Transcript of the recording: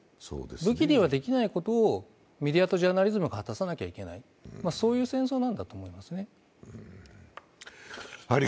武器ではできないことをメディアとジャーナリズムが果たさなきゃいけないそういう戦争なんだと思いますね。